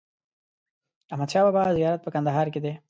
د احمد شا بابا زیارت په کندهار کی دی